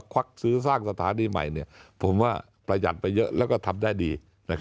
ควักซื้อสร้างสถานีใหม่ผมว่าประหยัดไปเยอะแล้วก็ทำได้ดี